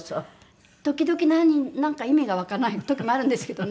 時々なんか意味がわからない時もあるんですけどね。